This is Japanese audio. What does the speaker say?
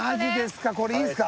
これいいんすか？